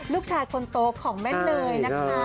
ลูกชายคนโตของแม่เนยนะคะ